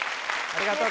・ありがとう